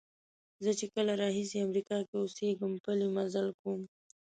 زه چې کله راهیسې امریکا کې اوسېږم پلی مزل کوم.